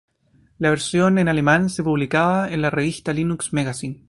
La versión en alemán se publicaba en la revista Linux Magazin.